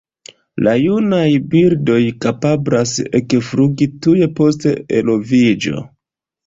La junaj birdoj kapablas ekflugi tuj post eloviĝo.